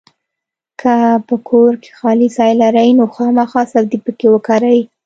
کۀ کور کې خالي ځای لرئ نو خامخا سبزي پکې وکرئ!